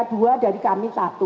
dari kami satu